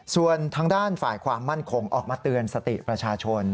ส่วนทางด้านฝ่ายความมั่นคงออกมาเตือนสติประชาชน